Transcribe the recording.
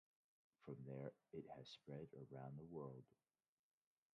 From there it has spread around the world.